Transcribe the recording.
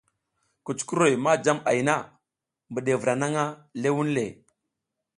Kucukuroy ma jam ay na, mbiɗevra naƞʼha ləh wunle.